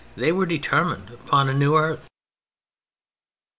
They were determined upon a new earth.